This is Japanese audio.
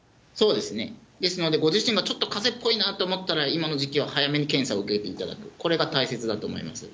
ですのでご自身がちょっとかぜっぽいなと思ったら、今の時期は早めに検査を受けていただく、これが大切だと思います。